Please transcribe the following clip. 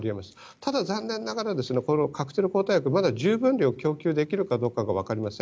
ただ、残念ながらこのカクテル抗体薬まだ十分量を供給できるかわかりません。